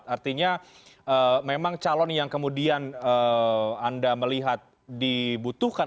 artinya memang calon yang kemudian anda melihat dibutuhkan